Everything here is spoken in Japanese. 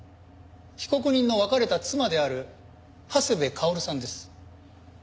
被告人の別れた妻である長谷部薫さんです。